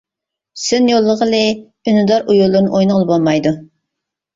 سىن يوللىغىلى، ئۈندىدار ئويۇنلىرىنى ئوينىغىلى بولمايدۇ.